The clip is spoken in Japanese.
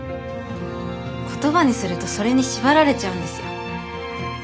言葉にするとそれに縛られちゃうんですよ。